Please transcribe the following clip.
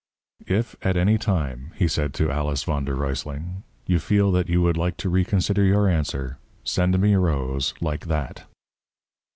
"If, at any time," he said to A. v. d. R., "you feel that you would like to reconsider your answer, send me a rose like that."